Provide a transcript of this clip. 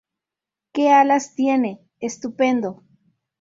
¡ Qué alas tiene! ¡ estupendo!